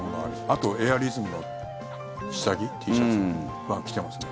あと、エアリズムの下着、Ｔシャツは着てますね。